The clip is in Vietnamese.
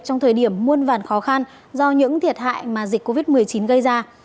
trong thời điểm muôn vàn khó khăn do những thiệt hại mà dịch covid một mươi chín gây ra